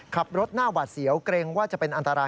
ขับรถหน้าหวาดเสียวเกรงว่าจะเป็นอันตราย